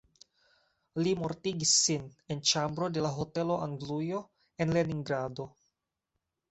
Li mortigis sin en ĉambro de la Hotelo Anglujo en Leningrado.